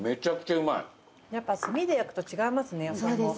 やっぱ炭で焼くと違いますね野菜も。